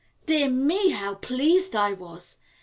Dear me, how pleased I was!